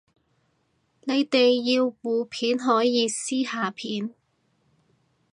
你哋要互片可以私下片